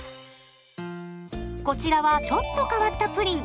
こちらはちょっと変わったプリン。